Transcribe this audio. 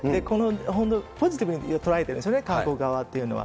本当、ポジティブに捉えてるんですよね、韓国側っていうのは。